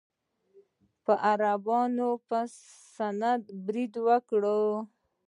عربانو په سند برید وکړ.